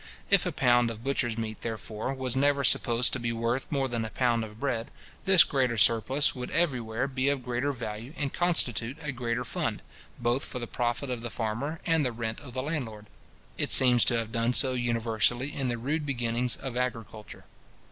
If a pound of butcher's meat, therefore, was never supposed to be worth more than a pound of bread, this greater surplus would everywhere be of greater value and constitute a greater fund, both for the profit of the farmer and the rent of the landlord. It seems to have done so universally in the rude beginnings of agriculture.